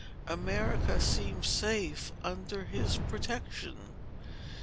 America seemed safe, under his protection.